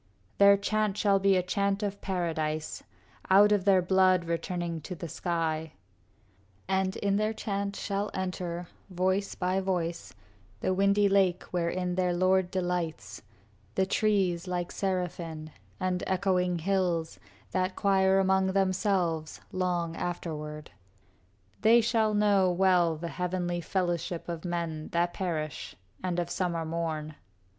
Their chant shall be a chant of paradise, Out of their blood, returning to the sky; And in their chant shall enter, voice by voice, The windy lake wherein their lord delights, The trees, like serafin, and echoing hills, That choir among themselves long afterward. They shall know well the heavenly fellowship Of men that perish and of summer morn.